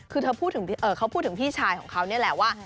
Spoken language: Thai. คือเขาพูดถึงพี่ชายของเขานี่แหละว่า